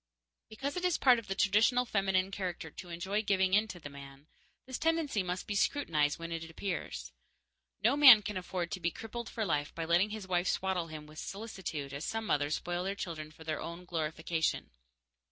Because it is part of the traditional feminine character to enjoy giving in to the man, this tendency must be scrutinized when it appears. No man can afford to be crippled for life by letting his wife swaddle him with solicitude as some mothers spoil their children for their own glorification.